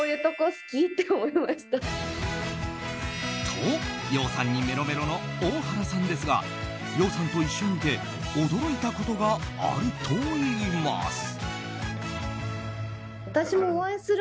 と、羊さんにメロメロの大原さんですが羊さんと一緒にいて驚いたことがあるといいます。